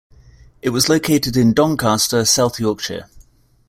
It was located in Doncaster, South Yorkshire.